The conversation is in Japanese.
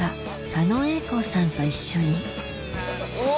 狩野英孝さんと一緒にうわ！